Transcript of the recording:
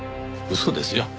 嘘ですよ。